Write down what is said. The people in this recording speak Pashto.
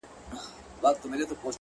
چی ستا د دنګی ځوانۍ سر نه لكي